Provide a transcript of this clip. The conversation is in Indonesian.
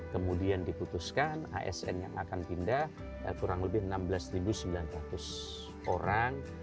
kemudian diputuskan asn yang akan pindah kurang lebih enam belas sembilan ratus orang